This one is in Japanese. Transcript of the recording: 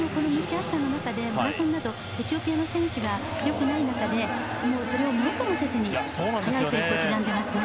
マラソンなどエチオピアの選手が良くない中でそれをものともせずに速いペースを刻んでますね。